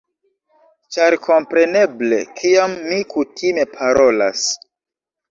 Ĉar kompreneble kiam mi kutime parolas